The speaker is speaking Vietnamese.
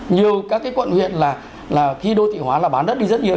nhiều các quận huyện là khi đô thị hóa là bán đất đi rất nhiều